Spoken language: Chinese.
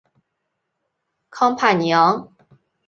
康帕尼昂。